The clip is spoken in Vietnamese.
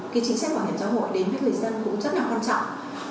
cái chính sách bảo hiểm xã hội đến với người dân cũng rất là quan trọng